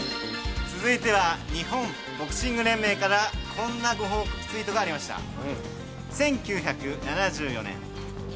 続いては日本ボクシング連盟からこんなご報告ツイートがありました。